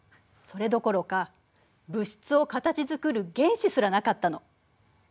それどころか物質を形づくる原子すらなかったの。